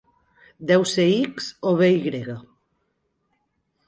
Deu ser "X" o bé "Y".